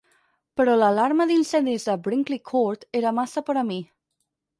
Però l'alarma d'incendis de Brinkley Court era massa per a mi.